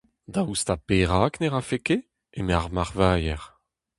Daoust ha perak ne rafe ket ? eme ar Marvailher.